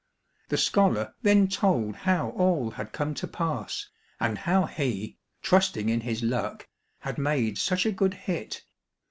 The scholar then told how all had come to pass, and how he, trusting in his luck, had made such a good hit.